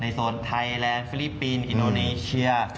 โซนไทยแลนด์ฟิลิปปินส์อินโดนีเชีย